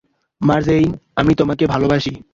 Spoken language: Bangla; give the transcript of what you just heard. মার্জেইন, আমি তোমাকে ভালোবাসি!